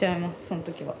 その時は。